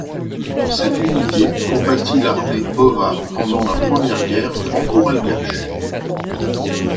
Cette unité combattit l'armée hova pendant la première guerre franco-malgache.